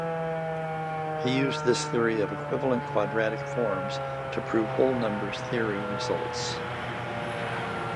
He used this theory of equivalent quadratic forms to prove whole number theory results.